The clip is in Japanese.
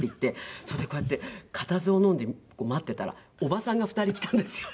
それでこうやって固唾をのんで待っていたらおばさんが２人来たんですよ。